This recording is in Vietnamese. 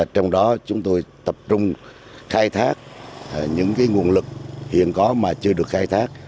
trong đó chúng tôi tập trung khai thác những nguồn lực hiện có mà chưa được khai thác